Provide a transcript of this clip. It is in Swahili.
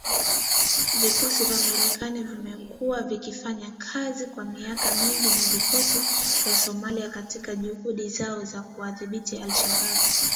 Vikosi vya Marekani vimekuwa vikifanya kazi kwa miaka mingi na vikosi vya Somalia katika juhudi zao za kuwadhibiti al-Shabaab